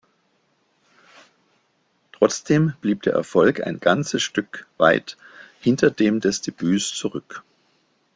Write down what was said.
Trotzdem blieb der Erfolg ein ganzes Stück weit hinter dem des Debüts zurück.